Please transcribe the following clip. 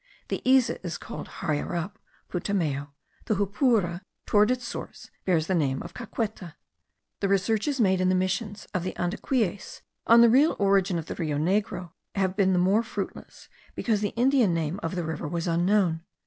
The Iza is called, higher up, Putumayo, the Jupura towards its source bears the name of Caqueta. The researches made in the missions of the Andaquies on the real origin of the Rio Negro have been the more fruitless because the Indian name of the river was unknown.